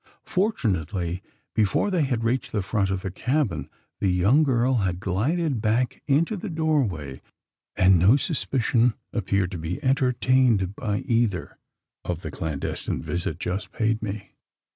Fortunately, before they had reached the front of the cabin, the young girl had glided back into the doorway; and no suspicion appeared to be entertained by either, of the clandestine visit just paid me.